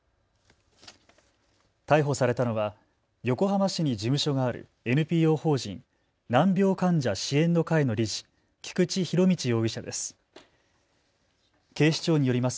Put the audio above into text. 逮捕されたのは横浜市に事務所があるＮＰＯ法人難病患者支援の会の理事、菊池仁達容疑者です。